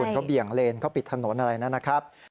เขาเบี่ยงเลนเขาปิดถนนอะไรนะครับ